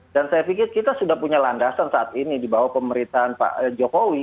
dan saya pikir kita sudah punya landasan saat ini di bawah pemerintahan pak jokowi